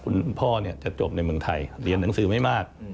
คุณพ่อจะจบในเมืองไทยเรียนหนังสือไม่มาก